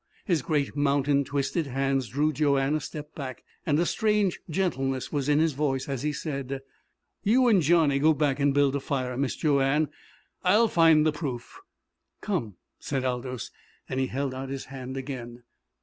His great mountain twisted hands drew Joanne a step back, and strange gentleness was in his voice as he said: "You an' Johnny go back an' build a fire, Mis' Joanne. I'll find the proof!" "Come," said Aldous, and he held out his hand again.